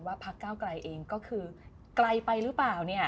ว่าพรรคก้าวกลายเองก็คือกลายไปหรือเปล่า